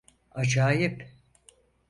Acayip.